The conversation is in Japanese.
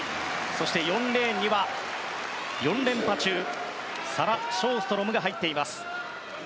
そして、４レーンには４連覇中サラ・ショーストロムが入っています。